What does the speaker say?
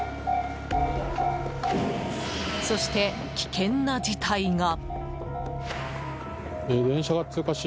そして、危険な事態が。